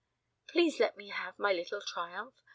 Please let me have my little triumph.